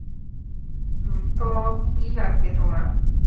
তো, কী লাগবে তোমার?